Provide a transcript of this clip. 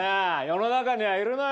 世の中にはいるのよ。